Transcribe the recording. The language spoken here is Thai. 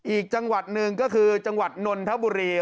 อีกจังหวัดหนึ่งก็คือจังหวัดนนทบุรี